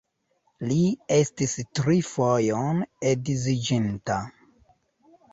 Li estis tri fojon edziĝinta.